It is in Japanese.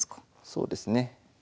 そうですね。